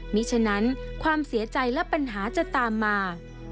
มีฉะนั้นความเสียใจและปัญหาจะตามมา